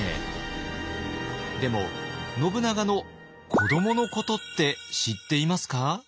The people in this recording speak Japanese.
でも信長の子どものことって知っていますか？